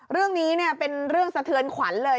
เรื่องนี้เป็นเรื่องสะเทือนขวัญเลย